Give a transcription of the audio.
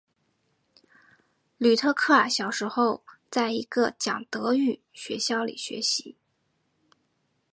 吕特克尔小时候在一个讲德语学校里学习。